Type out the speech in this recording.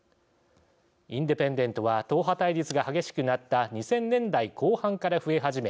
インデペンデントは党派対立が激しくなった２０００年代後半から増え始め